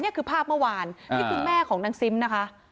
นี่คือภาพเมื่อวานที่คุณแม่ของนางซิมนะคะ